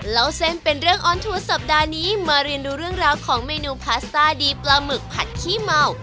เล่าเส้นเป็นเรื่องออนทัวร์สัปดาห์นี้มาเรียนดูเรื่องราวของเมนูพาสต้าดีปลาหมึกผัดขี้เมา